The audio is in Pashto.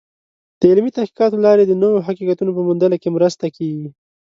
د علمي تحقیقاتو له لارې د نوو حقیقتونو په موندلو کې مرسته کېږي.